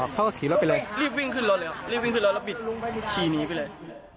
เขาก็ขี่รถไปเลยรีบวิ่งขึ้นรถเลยครับรีบวิ่งขึ้นรถแล้วบิดขี่หนีไปเลย